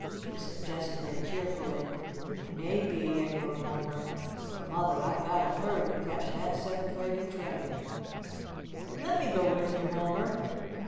She suggested it cheerfully. "Maybe," echoed Homer. "But, Mother, I've got to hurry to catch that 7:30 train." "Let me go with you, Homer."